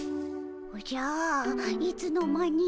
おじゃいつの間に。